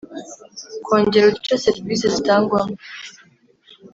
Kongera uduce serivisi zitangwamo